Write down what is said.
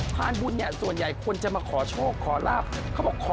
บุญเนี่ยส่วนใหญ่คนจะมาขอโชคขอลาบเขาบอกขอ